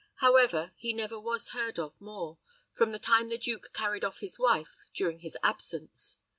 However, he never was heard of more, from the time the duke carried off his wife, during his absence.